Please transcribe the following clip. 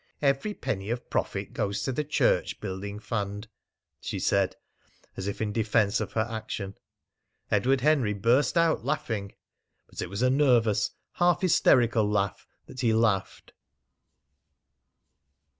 "Every penny of profit goes to the Church Building Fund," she said, as if in defence of her action. Edward Henry burst out laughing; but it was a nervous, half hysterical laugh that he laughed.